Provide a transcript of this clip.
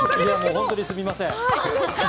本当にすみません。